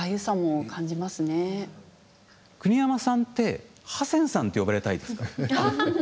国山さんって「ハセンさん」と呼ばれたいですか？